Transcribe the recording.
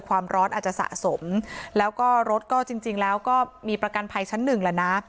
ความร้อนอาจจะสะสมแล้วก็รถก็จริงแล้วก็มีประกันภัยชั้นหนึ่งแล้วนะ